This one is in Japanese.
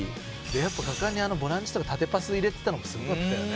「やっぱ果敢にボランチとか縦パス入れてたのもすごかったよね。